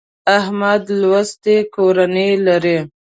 احمد لوستې کورنۍ لري.